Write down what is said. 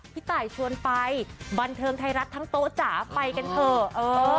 พี่ตายชวนไปบันเทิงไทยรัฐทั้งโต๊ะจ๋าไปกันเถอะ